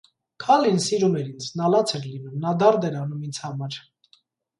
Քալին սիրում էր ինձ, նա լաց էր լինում, նա դարդ էր անում ինձ համար…